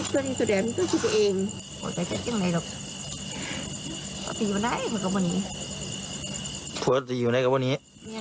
พวกตีอยู่ไหนกับพวกนี้